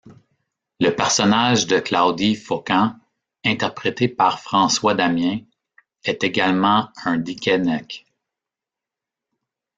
Le personnage de Claudy Focan, interprété par François Damiens, est également un dikkenek.